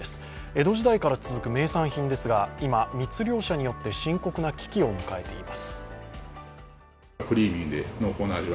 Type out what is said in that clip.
江戸時代から続く名産品ですが、今、密漁者によって深刻な危機を迎えています。